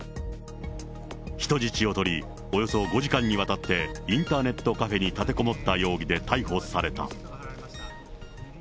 人質を取り、およそ５時間にわたって、インターネットカフェに立てこもった容疑で逮捕された。